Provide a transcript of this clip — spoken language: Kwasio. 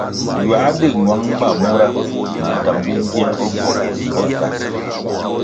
Ywā dig ñwang ba mura nandtang bingier bi gywong o tah.